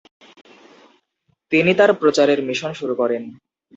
তিনি তার প্রচারের মিশন শুরু করেন।